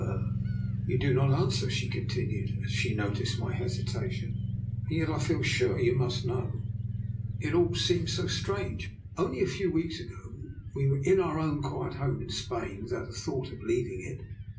NIKOLA'S EXPERIMENT. " You do not answer/' she continued as she noticed my hesitation. " And yet I feel sure you must know. It all seems so strange. Only a few weeks ago we were in our own quiet home in Spain, without a thought of leaving it.